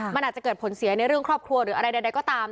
มันอาจจะเกิดผลเสียในเรื่องครอบครัวหรืออะไรใดก็ตาม